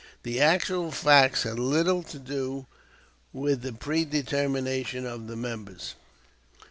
The actual facts had little to do with the predetermination of the members.